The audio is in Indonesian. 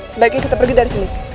sebaiknya kita pergi dari sini